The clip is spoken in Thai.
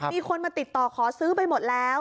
มีคนมาติดต่อขอซื้อไปหมดแล้ว